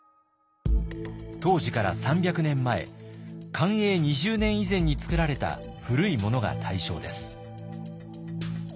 当時から３００年前寛永２０年以前に作られた古いものが対象です。